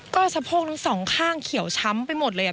ก็สะโพกทั้งสองข้างเขียวช้ำไปหมดเลย